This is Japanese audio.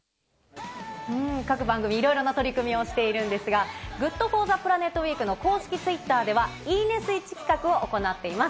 各番組、いろいろな取り組みをしているんですが、ＧｏｏｄＦｏｒｔｈｅＰｌａｎｅｔウイークの公式ツイッターでは、いいねスイッチ企画を行っています。